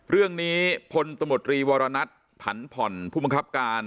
เรื่องนี้พลตมตรีวรณัฐผันผ่อนผู้บังคับการ